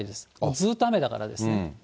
ずっと雨だからですね。